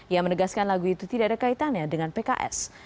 ia menegaskan lagu itu tidak ada kaitannya dengan pks